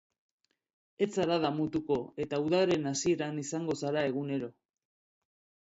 Ez zara damutuko, eta udaren hasieran izango zara egunero.